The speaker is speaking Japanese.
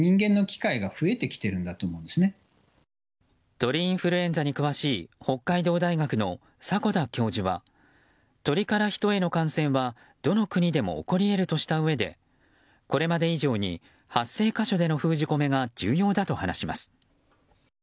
鳥インフルエンザに詳しい北海道大学の迫田教授は鳥からヒトへの感染はどの国でも起こり得るとしたうえでこれまで以上に、発生箇所での封じ込めが重要だと話します。